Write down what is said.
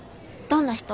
どんな人？